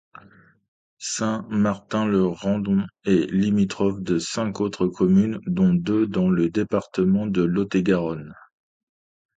Saint-Martin-le-Redon est limitrophe de cinq autres communes dont deux dans le département de Lot-et-Garonne.